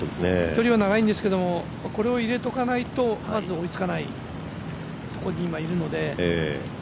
距離は長いんですけど、これを入れておかないとまず追いつかないところに今、いるので。